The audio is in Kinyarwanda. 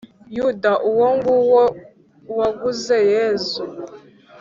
yuda uwonguwo waguze yezu